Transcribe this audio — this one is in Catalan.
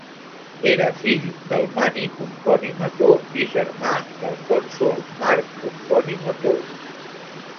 Era fill de Mani Pomponi Mató i germà del cònsol Marc Pomponi Mató.